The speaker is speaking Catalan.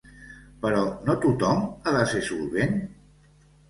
Però no tothom ha de ser solvent?